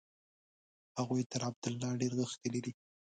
هغوی تر عبدالله ډېر غښتلي دي.